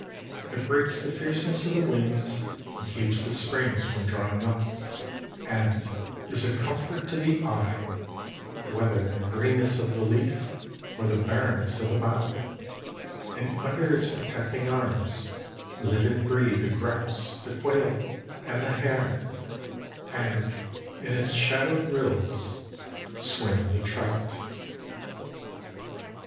It breaks the fierceness of the winds, and keeps the springs from drying up, and is a comfort to the eye, whether in the greenness of the leaf or the barrenness of the bough, and under its protecting arms live and breed the grouse, the quail and the hare, and in its shadowed rills swim the trout.